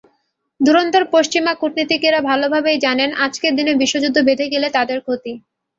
ধুরন্ধর পশ্চিমা কূটনীতিকেরা ভালোভাবেই জানেন, আজকের দিনে বিশ্বযুদ্ধ বেধে গেলে তাদের ক্ষতি।